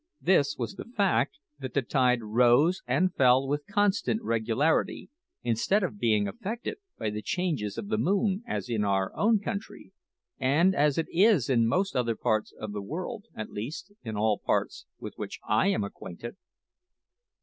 This was the fact that the tide rose and fell with constant regularity, instead of being affected by the changes of the moon as in our own country, and as it is in most other parts of the world at least, in all those parts with which I am acquainted.